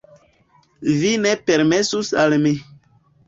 vi ne permesus al mi.